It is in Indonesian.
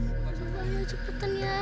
aduh banyak cepetan ya